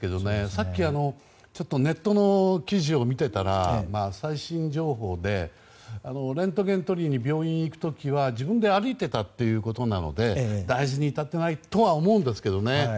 さっきネットの記事を見ていたら最新情報でレントゲンを撮りに病院に行く時は自分で歩いていたということなので大事に至っていないとは思うんですけどね。